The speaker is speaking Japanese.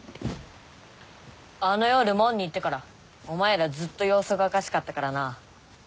あの夜門に行ってからお前らずっと様子がおかしかったからな。